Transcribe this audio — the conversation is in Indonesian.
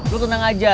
lo tenang aja